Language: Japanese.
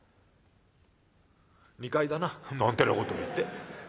「２階だな」なんてなことを言って。